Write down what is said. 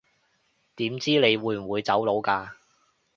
點知你會唔會走佬㗎